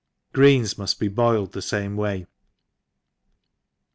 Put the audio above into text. — Greens muft be boiled the fame way.